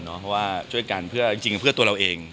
เพราะว่าช่วยกันเพื่อจริงเพื่อตัวเราเอง